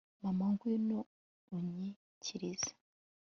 mana, ngwino unyikirize